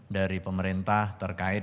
dari pemerintah terkait covid sembilan belas